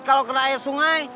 kalau kena air sungai